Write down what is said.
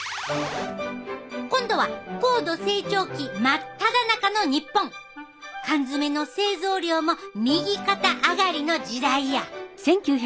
今度は高度成長期真っただ中の日本缶詰の製造量も右肩上がりの時代や。